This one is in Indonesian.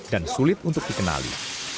dan sulit untuk dikenali